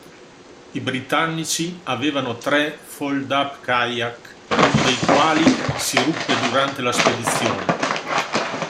I britannici avevano tre foldup-kayak uno dei quali si ruppe durante la spedizione.